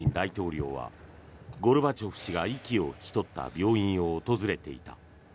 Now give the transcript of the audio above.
しかし、その２日前にプーチン大統領はゴルバチョフ氏が息を引き取った病院を訪れていた。